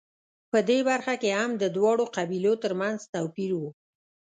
په دې برخه کې هم د دواړو قبیلو ترمنځ توپیر و